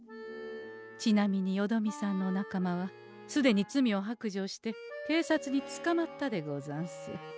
ちなみによどみさんのお仲間はすでに罪を白状して警察につかまったでござんす。